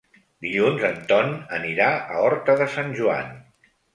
Dilluns en Ton anirà a Horta de Sant Joan.